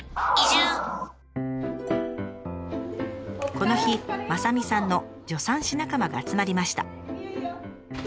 この日雅美さんの助産師仲間が集まりました。